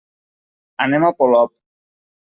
Anem a Polop.